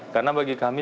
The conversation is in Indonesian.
karena bagi kami